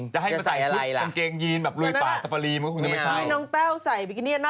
จะให้มันใส่ซุปกางเกงยีนแบบล่วยปากสฟารีเหมือนก็คงจะไม่เช่า